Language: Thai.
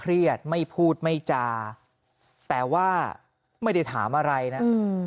เครียดไม่พูดไม่จาแต่ว่าไม่ได้ถามอะไรนะอืม